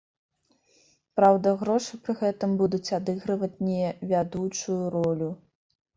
Праўда, грошы пры гэтым будуць адыгрываць не вядучую ролю.